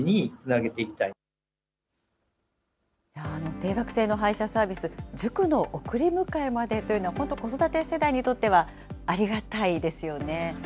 定額制の配車サービス、塾の送り迎えまでというのは、本当、子育て世代にとってはありがたいですよね。